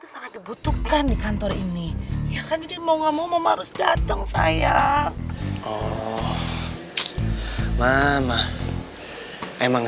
sangat dibutuhkan di kantor ini ya kan jadi mau ngomong harus datang saya oh mana emang